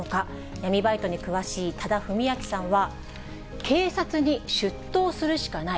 闇バイトに詳しい多田文明さんは、警察に出頭するしかない。